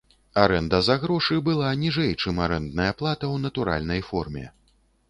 Арэнда за грошы была ніжэй, чым арэндная плата ў натуральнай форме.